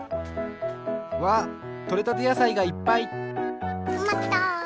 わあっとれたてやさいがいっぱい！とまと！